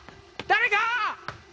誰か！